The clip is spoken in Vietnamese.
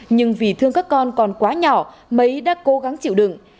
nhưng vì thương các con còn quá nhỏ mấy đã cố gắng chịu đựng